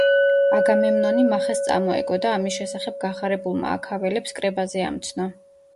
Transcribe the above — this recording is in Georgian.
აგამემნონი მახეს წამოეგო და ამის შესახებ გახარებულმა აქაველებს კრებაზე ამცნო.